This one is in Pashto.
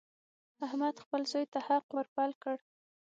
احمد خپل زوی ته حق ور پل کړ.